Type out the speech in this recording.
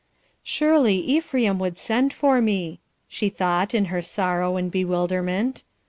"Surely, Ephraim would send for me," she thought in her sorrow and bewilderment.